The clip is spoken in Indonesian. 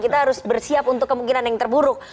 kita harus bersiap untuk kemungkinan yang terburuk